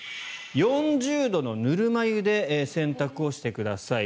４０度のぬるま湯で洗濯をしてください。